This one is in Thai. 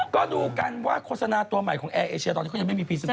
ก็ดูกันว่าโฆษณาตัวใหม่ของแอร์เอเชียตอนนี้เขายังไม่มีพรีเซน